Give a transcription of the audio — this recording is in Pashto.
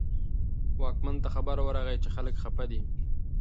واکمن ته خبر ورغی چې خلک خپه دي.